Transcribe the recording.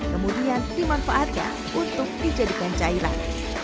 kemudian dimanfaatkan untuk dijadikan cairan